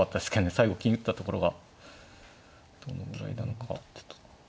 最後金打ったところがどのぐらいなのかちょっと。